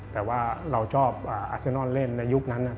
แต่ว่าเราชอบอาเซนอนเล่นในยุคนั้น